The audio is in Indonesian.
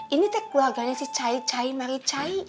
ini teh keluarganya si cai cai maricai